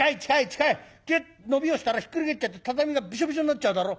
キュッ伸びをしたらひっくり返っちゃって畳がビショビショになっちゃうだろ。